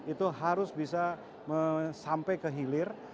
itu harus bisa sampai ke hilir